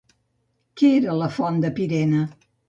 Què era la font de Pirene?